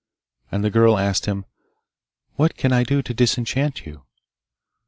And the girl asked him, 'What can I do to disenchant you?